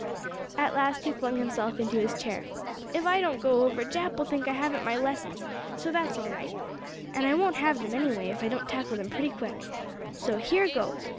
At last he flung himself into his chair. "If I don't go over, Jap will think I haven't my lessons, so that's all right. And I won't have them anyway if I don't tackle them pretty quick. So here goes!"